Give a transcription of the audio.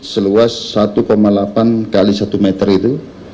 seluas satu delapan x satu meter itu